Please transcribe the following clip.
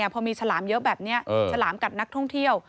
พอมีฉลามเยอะแบบเนี่ย